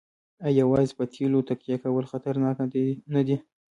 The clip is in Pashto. آیا یوازې په تیلو تکیه کول خطرناک نه دي؟